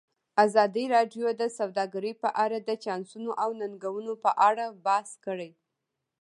ازادي راډیو د سوداګري په اړه د چانسونو او ننګونو په اړه بحث کړی.